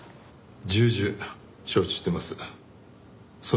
重々承知してます。